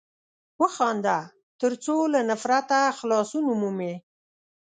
وخانده تر څو له نفرته خلاصون ومومې!